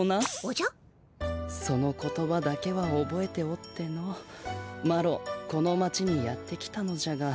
その言葉だけはおぼえておってのマロこの町にやって来たのじゃが。